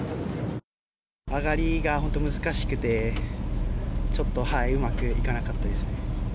上がりがほんと、難しくてちょっとうまくいかなかったですね。